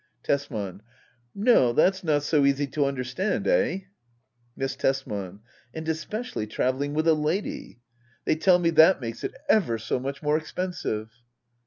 Tbsman. No, that's not so easy to understand — eh ? Miss Tbsman. And especially travelling with a lady— they tell me that makes it ever so much more expensive.